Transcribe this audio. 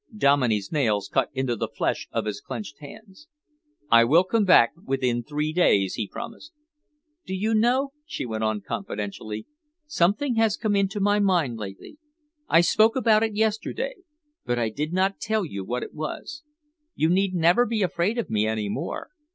Dominey's nails cut into the flesh of his clenched hands. "I will come back within three days," he promised. "Do you know," she went on confidentially, "something has come into my mind lately. I spoke about it yesterday, but I did not tell you what it was. You need never be afraid of me any more.